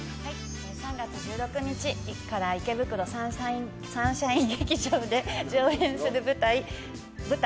３月１６日から池袋サンシャイン劇場で上演する舞台